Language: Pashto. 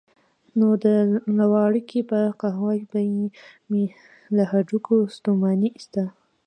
نو د لواړګي په قهوه به مې له هډوکیو ستوماني ایسته.